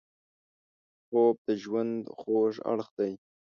خوب د ژوند خوږ اړخ دی